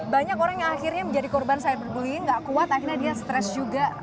banyak orang yang akhirnya menjadi korban cyberbullying nggak kuat akhirnya dia stres juga